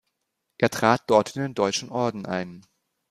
Er trat dort in den Deutschen Orden ein.